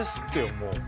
もう。